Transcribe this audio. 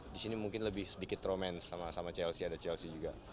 di sini mungkin lebih sedikit romance sama chelsea ada chelsea juga